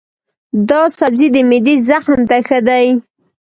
دا سبزی د معدې زخم ته ښه دی.